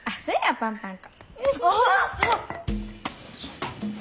パンパン粉。